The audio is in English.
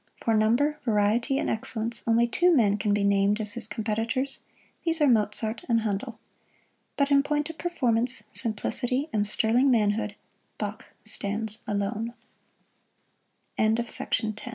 For number, variety and excellence, only two men can be named as his competitors: these are Mozart and Handel. But in point of performance, simplicity and sterling manhood, Bach stands alone. [Illustration: FELIX MEND